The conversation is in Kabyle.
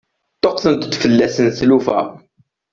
Ṭṭuqqtent-d fell-asen tlufa.